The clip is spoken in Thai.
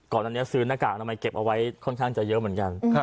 ก่อนเนี่ยซื้อแล้วแนกกากเก็บเอาไว้ค่อนข้างจะเยอะเหมือนกัน